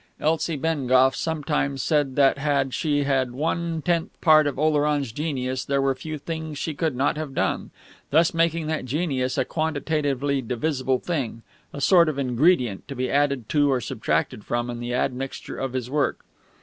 Elsie Bengough sometimes said that had she had one tenth part of Oleron's genius there were few things she could not have done thus making that genius a quantitatively divisible thing, a sort of ingredient, to be added to or subtracted from in the admixture of his work.